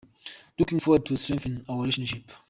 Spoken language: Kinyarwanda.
Looking forward to strengthen our relations.